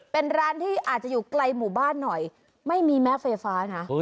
เป็นร้านที่อาจจะอยู่ไกลหมู่บ้านหน่อยไม่มีแม้ไฟฟ้านะ